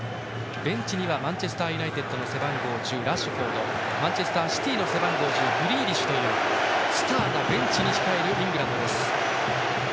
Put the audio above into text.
ベンチにはマンチェスターユナイテッドの背番号１０のラッシュフォードマンチェスターシティーの背番号１０グリーリッシュというスターがベンチに控えるイングランドです。